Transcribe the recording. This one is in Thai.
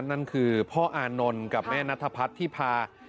นั่นคือพ่ออานนท์กับแม่นัทพัฒน์ที่พา